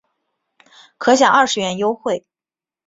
可享二十元优惠